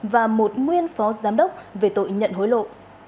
và một nguyên phó giám đốc về tội nhận hối lộ